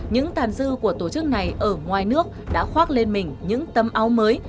những tàn dư của tổ chức này ở ngoài nước đã khoác lên mình những tâm áo mới